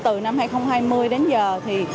từ năm hai nghìn hai mươi đến giờ thì